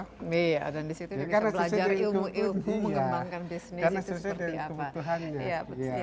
karena sesuai dengan kebutuhannya